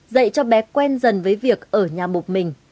dạy cho bé quen dần với việc ở nhà một mình